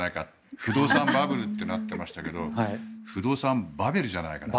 不動産バブルってなってましたけど不動産バベルじゃないかなと。